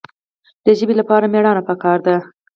د ژبې لپاره مېړانه پکار ده.